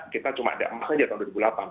kita cuma ada emas saja tahun dua ribu delapan